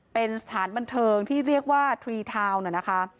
เป็นสถานบันเทิงที่เรียกว่าทรีทาวน์น่ะนะคะ